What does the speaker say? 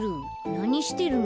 なにしてるの？